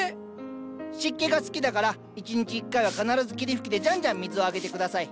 湿気が好きだから１日１回は必ず霧吹きでじゃんじゃん水をあげて下さい。